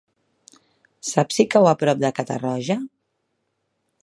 Saps si cau a prop de Catarroja?